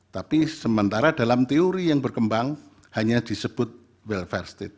tapi sementara dalam teori yang berkembang hanya disebut welfare state